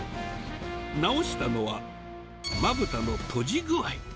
直したのは、まぶたの閉じ具合。